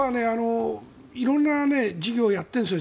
色んな事業をやってるんです。